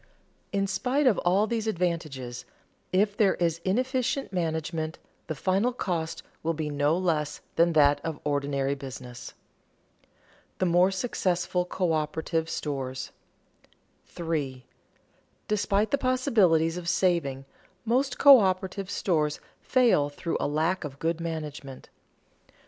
In spite of all these advantages, if there is inefficient management the final cost will be no less than that of ordinary business. [Sidenote: The more successful coöperative stores] 3. _Despite the possibilities of saving, most coöperative stores fail through a lack of good management.